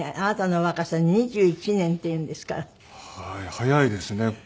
早いですね。